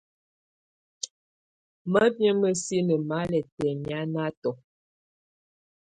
Mamɛ̀á mǝ́sinǝ́ mà lɛ̀ tɛ̀hianatɔ.